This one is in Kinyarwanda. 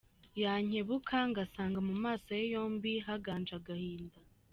Yankebuka ngasanga Mu maso ye yombi Haganje agahinda.